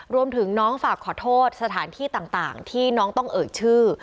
รวมถึงน้องฝากขอโทษสถานที่ต่างที่น้องต้องเอ่ยชื่อ